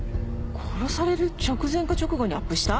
殺される直前か直後にアップした？